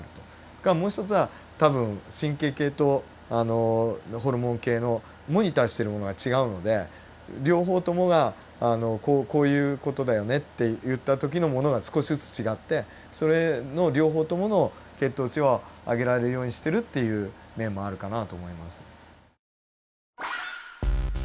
それからもう一つは多分神経系とホルモン系のモニターしてるものが違うので両方ともがこういう事だよねっていった時のものが少しずつ違ってそれの両方ともの血糖値を上げられるようにしてるっていう面もあるかなと思います。